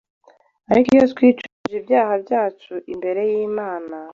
ariko iyo twicujije ibyaha byacu imbere y’Imana,